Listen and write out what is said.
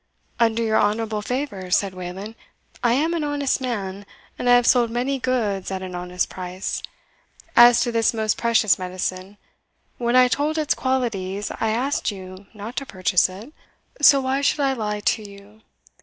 "Under your honourable favour," said Wayland, "I am an honest man, and I have sold my goods at an honest price. As to this most precious medicine, when I told its qualities, I asked you not to purchase it, so why should I lie to you?